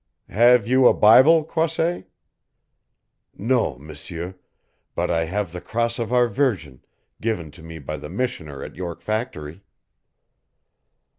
"Have you a Bible, Croisset?" "No, M'seur, but I have the cross of our Virgin, given to me by the missioner at York Factory."